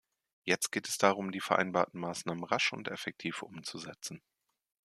Jetzt geht es darum, die vereinbarten Maßnahmen rasch und effektiv umzusetzen.